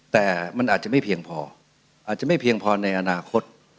แต่มันอาจจะไม่เพียงพออาจจะไม่เพียงพอในอนาคต